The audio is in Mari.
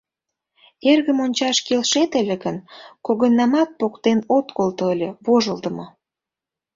— Эргым ончаш келшет ыле гын, когыньнамат поктен от колто ыле, вожылдымо!